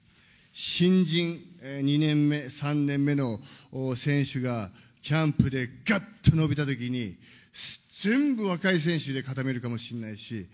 新人、２年目、３年目の選手が、キャンプでぐっと伸びたときに、全部若い選手で固めるかもしれないし。